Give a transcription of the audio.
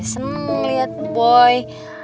seneng liat boy